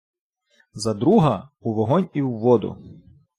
За друга — у вогонь і в воду!